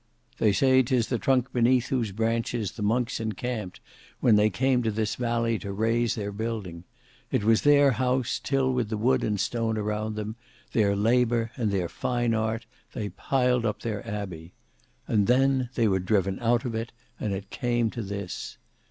"They say 'tis the trunk beneath whose branches the monks encamped when they came to this valley to raise their building. It was their house, till with the wood and stone around them, their labour and their fine art, they piled up their abbey. And then they were driven out of it, and it came to this.